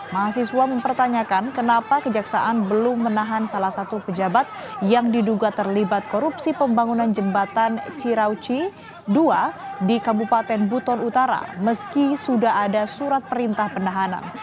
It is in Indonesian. mahasiswa mempertanyakan kenapa kejaksaan belum menahan salah satu pejabat yang diduga terlibat korupsi pembangunan jembatan cirauci dua di kabupaten buton utara meski sudah ada surat perintah penahanan